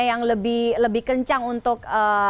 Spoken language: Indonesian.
yang lebih kencang untuk